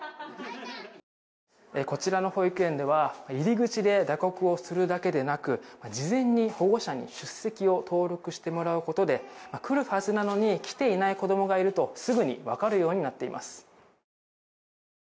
こちらの保育園では入り口で打刻をするだけでなく事前に保護者に出席を登録してもらうことで来るはずなのに来ていない子供がいるとすぐに分かるようになっています。